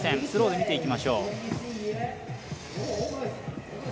スローで見ていきましょう。